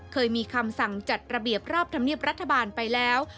เคยมีคำสั่งจัดระเบียบรอบธรรมเนียบรัฐบาลไปแล้ว